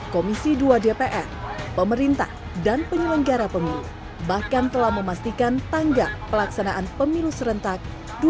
komisi dua dpr pemerintah dan penyelenggara pemilu bahkan telah memastikan tanggap pelaksanaan pemilu serentak dua ribu dua puluh empat